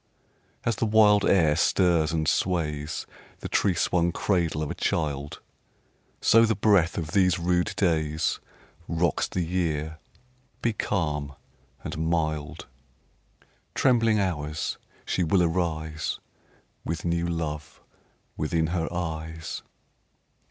3. As the wild air stirs and sways The tree swung cradle of a child, So the breath of these rude days _15 Rocks the Year: be calm and mild, Trembling Hours, she will arise With new love within her eyes.